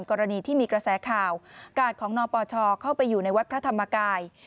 กรณีที่มีกระแสข่าวกาดของนปชเข้าไปอยู่ในวัดพระธรรมกาย